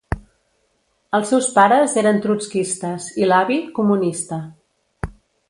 Els seus pares eren trotskistes i l'avi, comunista.